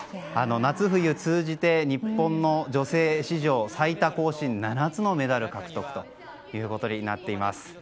夏冬通じて日本の女性史上最多更新７つのメダル獲得ということになっています。